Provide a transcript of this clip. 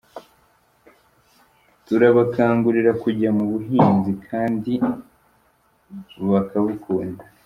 Turabakangurira kujya mu buhinzi kandi bakabukunda.